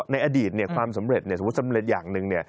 ในอดีตความสำเร็จสมมุติสำเร็จอย่างหนึ่ง